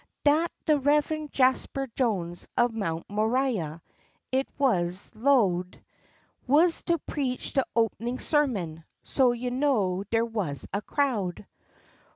Dat de Reveren' Jasper Jones of Mount Moriah, it wuz 'low'd, Wuz to preach de openin' sermon; so you know der wuz a crowd.